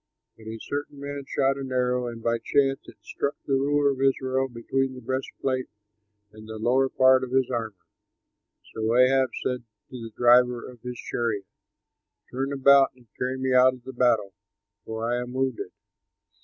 But a certain man shot an arrow, and by chance it struck the ruler of Israel between the breastplate and the lower part of his armor. So Ahab said to the driver of his chariot, "Turn about and carry me out of the battle, for I am wounded."